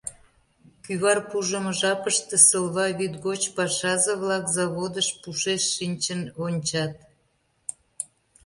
Кӱвар пужымо жапыште Сылва вӱд гоч пашазе-влак заводыш пушеш шинчын вончат.